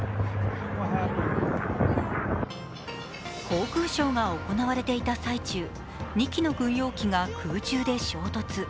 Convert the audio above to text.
航空ショーが行われていた最中、２機の軍用機が空中で衝突。